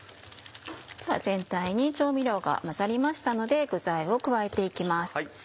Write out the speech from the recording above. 全体に調味料が混ざりましたので具材を加えて行きます。